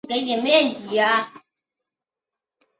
绿袖蝶属是蛱蝶科釉蛱蝶亚科中的一个属。